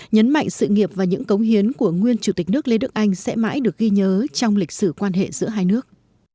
nhấn mạnh sự nghiệp và những cống hiến của nguyên chủ tịch nước lê đức anh sẽ mãi được ghi nhớ trong lịch sử quan hệ giữa hai nước